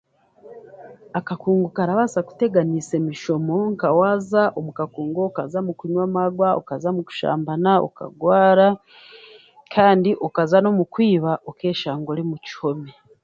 Akakungu karabaasa kurabaasa kuteganisa emishomo, nka waaza omu kakungu okaza mu kunywa amagwa, okaza mu kushambana okagwara kandi okaza n'omukwiba okeeshanga ori mu kihome